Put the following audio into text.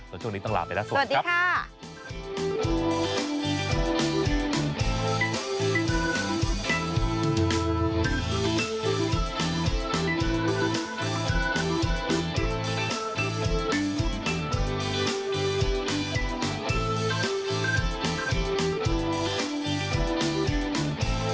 ส่วนช่วงนี้ตั้งหลังไปแล้วสวัสดีครับสวัสดีค่ะ